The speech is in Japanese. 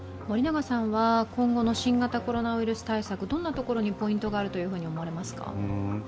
今後の新型コロナウイルス対策、どんなところにポイントがあると思われますか？